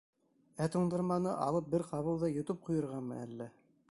— Ә туңдырманы алып бер ҡабыуҙа йотоп ҡуйырғамы, әллә?..